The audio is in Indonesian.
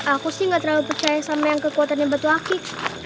aku sih gak terlalu percaya sama yang kekuatannya batu akik